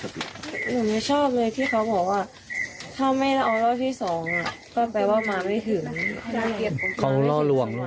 ผมไม่ชอบเลยที่เขาบอกว่าถ้าไม่เอาร่วงพี่สองอ่ะก็แปลว่ามาไม่ถึง